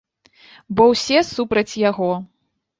Бо ўсе супраць яго.